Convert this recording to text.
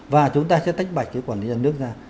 và chúng ta sẽ tách bạch cái quản lý nhà nước ra